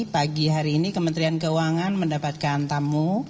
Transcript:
pagi hari ini kementerian keuangan mendapatkan tamu